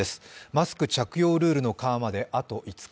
マスク着用ルールの緩和まであと５日。